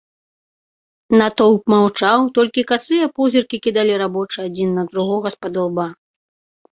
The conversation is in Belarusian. Натоўп маўчаў, толькі касыя позіркі кідалі рабочыя адзін на другога спадылба.